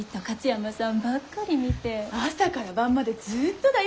朝から晩までずっとだよ